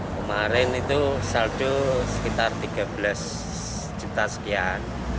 kemarin itu saldo sekitar tiga belas juta sekian